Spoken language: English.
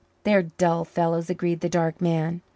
"They're dull fellows," agreed the dark man.